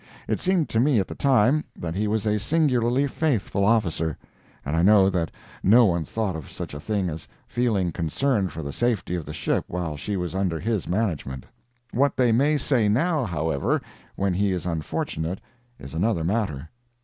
It seemed to me at the time that he was a singularly faithful officer, and I know that no one thought of such a thing as feeling concerned for the safety of the ship while she was under his management. What they may say now, however, when he is unfortunate, is another matter.